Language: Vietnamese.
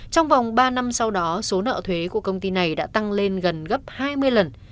trong vòng ba năm sau đó số nợ thuế của công ty này đã tăng lên gần gấp hai mươi lần